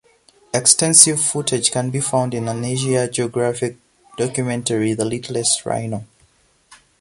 Extensive footage can be found in an Asia Geographic documentary "The Littlest Rhino".